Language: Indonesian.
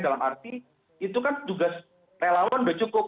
dalam arti itu kan tugas relawan sudah cukup